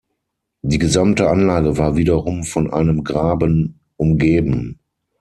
Die gesamte Anlage war wiederum von einem Graben umgeben.